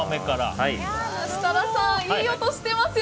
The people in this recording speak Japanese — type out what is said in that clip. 設楽さん、いい音してますよ。